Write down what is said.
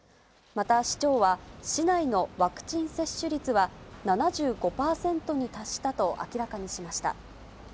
また市長は、市内のワクチン接種率は７５％に達したと明らかにしました。